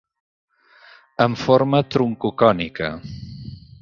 Amb forma troncocònica.